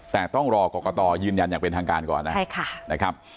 แต่ต้องรอกรกตยืนยันอย่างเป็นทางการก่อนนะครับ